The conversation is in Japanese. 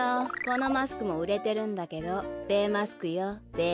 このマスクもうれてるんだけどべマスクよべ。